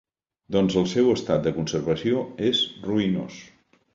Doncs el seu estat de conservació és ruïnós.